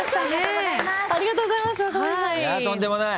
とんでもない。